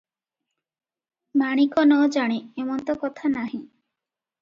ମାଣିକ ନ ଜାଣେ, ଏମନ୍ତ କଥା ନାହିଁ ।